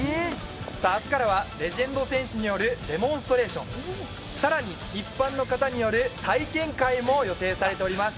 明日からはレジェンド選手によるデモンストレーション更に一般の方による体験会も予定されております。